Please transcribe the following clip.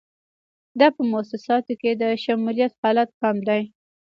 دا په موسساتو کې د شمولیت حالت هم دی.